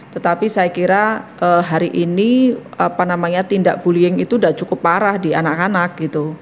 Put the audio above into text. tetapi saya kira hari ini tindak bu liying itu sudah cukup parah di anak anak